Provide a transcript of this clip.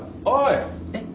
おい！